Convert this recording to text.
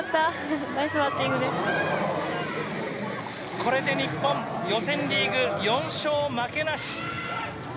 これで日本予選リーグ４勝負けなし。